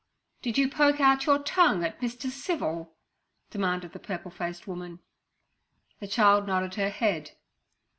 'Did you poke out your tongue at Mr. Civil?' demanded the purple faced woman. The child nodded her head.